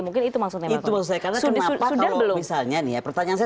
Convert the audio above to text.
mungkin jelas sih namanya agar kita millones